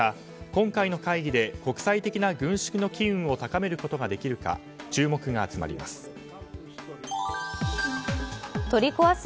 今回の会議で国際的な軍縮の機運を高めることができるか注目が集まります。